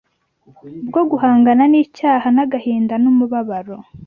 bwo guhangana n’icyaha n’agahinda n’umubabaro